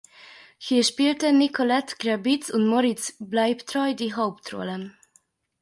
Hier spielten Nicolette Krebitz und Moritz Bleibtreu die Hauptrollen.